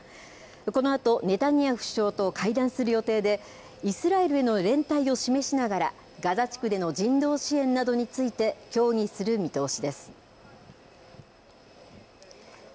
このあと、ネタニヤフ首相と会談する予定で、イスラエルへの連帯を示しながら、ガザ地区での人道支援などについて協議する見通しです。